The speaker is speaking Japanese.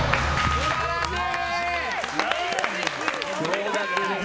素晴らしい！